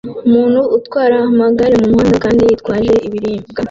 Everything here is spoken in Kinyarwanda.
Umuntu utwara amagare mumuhanda kandi yitwaje ibiribwa